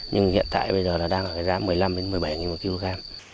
nhưng hiện tại bây giờ nó đang ở cái giá một mươi năm